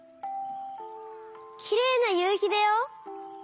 きれいなゆうひだよ！